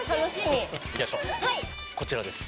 こちらです。